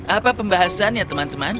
apa pembahasannya teman teman